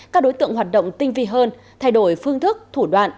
các đối tượng hoạt động tinh vi hơn thay đổi phương thức thủ đoạn